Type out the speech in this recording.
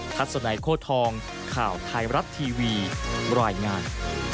ทัศนัยโค้ทองข่าวไทยรัฐทีวีรายงาน